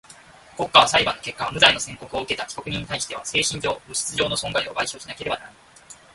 国家は裁判の結果無罪の宣告をうけた被告人にたいしては精神上、物質上の損害を賠償しなければならない。